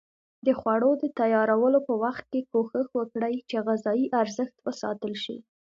د خوړو د تیارولو په وخت کې کوښښ وکړئ چې غذایي ارزښت وساتل شي.